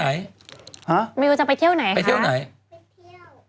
มายูจะไปเที่ยวไหนคะ